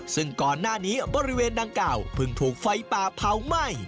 ซึ่งก่อนหน้านี้บริเวณดังกล่าวเพิ่งถูกไฟป่าเผาไหม้